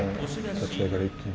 立ち合いから一気に。